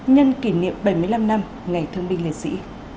nhân kỷ niệm bảy mươi năm năm ngày thương binh liệt sĩ